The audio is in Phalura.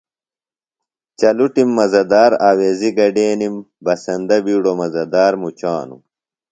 چلٹِم مزہ دار آویزیۡ گڈینِم۔ بسندہ بِیڈوۡ مزہ دار مُچانوۡ۔